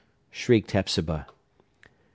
shrieked Hepzibah.